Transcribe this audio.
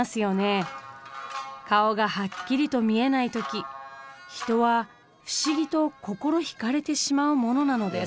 顔がはっきりと見えない時人は不思議と心引かれてしまうものなのです。